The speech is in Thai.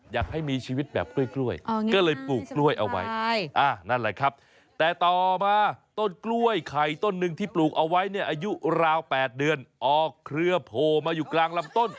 อยากให้มีชีวิตแบบกล้วยก็เลยปลูกกล้วยเอาไว้นั่นแหละครับแต่ต่อมาต้นกล้วยไข่ต้นหนึ่งที่ปลูกเอาไว้เนี่ยอายุราว๘เดือนออกเครือโผล่มาอยู่กลางลำต้น